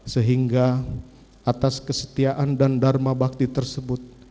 sehingga atas kesetiaan dan dharma bakti tersebut